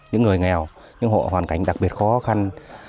những người nghèo những hộ hoàn cảnh đặc biệt khó khăn